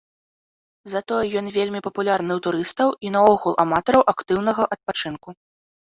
Затое ён вельмі папулярны ў турыстаў і наогул аматараў актыўнага адпачынку.